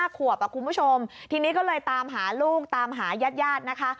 ขวบคุณผู้ชมทีนี้ก็เลยตามหาลูกตามหายาดนะคะ